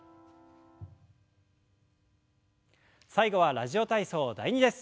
最後は「ラジオ体操第２」です。